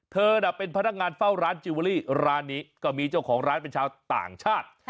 เธอน่ะเป็นพนักงานเฝ้าร้านจิลเวอรี่ร้านนี้ก็มีเจ้าของร้านเป็นชาวต่างชาติ